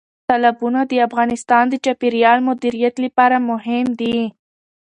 تالابونه د افغانستان د چاپیریال مدیریت لپاره مهم دي.